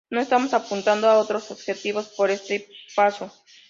No, estamos apuntando a otros objetivos por este paso.